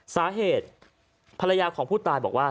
สาเหตุภรรยาของผู้ตายบอกว่า